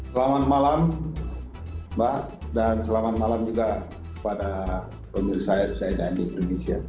selamat malam mbak dan selamat malam juga kepada penyelesaian saya dan indonesia